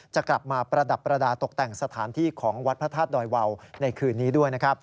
จะกลับมาประดับประดาษตกแต่งสถานที่ของวัดพระธาตุดอยวาวในคืนนี้ด้วยนะครับ